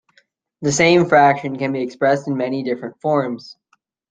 The same fraction can be expressed in many different forms.